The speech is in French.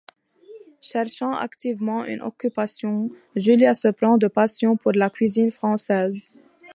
Cherchant activement une occupation, Julia se prend de passion pour la cuisine française.